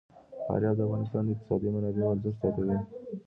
فاریاب د افغانستان د اقتصادي منابعو ارزښت زیاتوي.